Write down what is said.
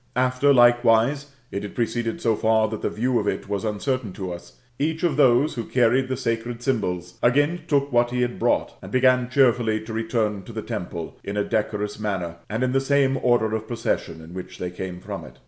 After, likewise, it had proceeded so far that the view of it was uncertain to us, each of those who carried the sacred symbols, again took what he had brought, and began cheerfully to return to the temple, in a decorous manner, and in the same order of procession in which they came from it.